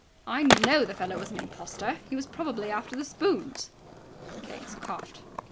"I know the fellow was an impostor. He was probably after the spoons!" Keggs coughed.